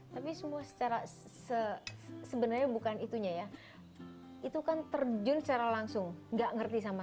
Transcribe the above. tapi semua secara sebenarnya bukan itunya ya itu kan terjun secara langsung gak ngerti sama